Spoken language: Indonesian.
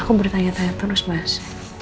aku bertanya tanya terus mas